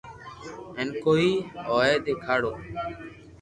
ھين ڪوئي ھئين ديکاڙو